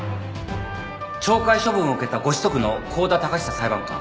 懲戒処分を受けたご子息の香田隆久裁判官